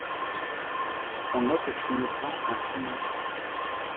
On note au premier-plan un fumeur.